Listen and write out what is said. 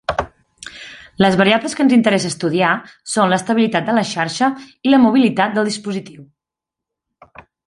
Les variables que ens interessa estudiar són l'estabilitat de la xarxa i la mobilitat del dispositiu.